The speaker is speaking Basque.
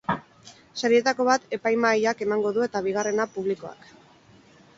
Sarietako bat epaimahaiak emango du eta bigarrena publikoak.